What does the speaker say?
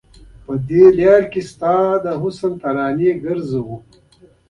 د لار کې ستا د حسن ترانې ګرځو